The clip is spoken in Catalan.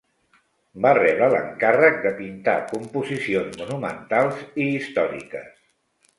Va rebre l'encàrrec de pintar composicions monumentals i històriques.